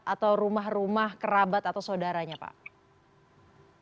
atau rumah rumah kerabat atau saudaranya pak